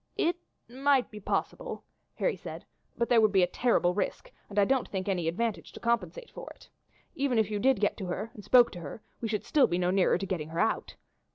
"It might be possible," Harry said, "but there would be a terrible risk, and I don't think any advantage to compensate for it. Even if you did get to her and spoke to her, we should still be no nearer to getting her out.